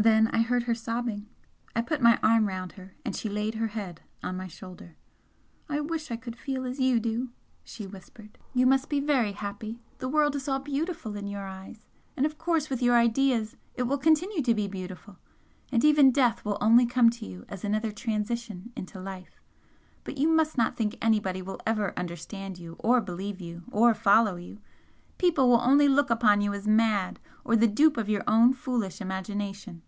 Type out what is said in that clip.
Then I heard her sobbing. I put my arm round her, and she laid her head on my shoulder. "I wish I could feel as you do," she whispered "You must be very happy! The world is all beautiful in your eyes and of course with your ideas it will continue to be beautiful and even death will only come to you as another transition into life. But you must not think anybody will ever understand you or believe you or follow you people will only look upon you as mad, or the dupe of your own foolish imagination!"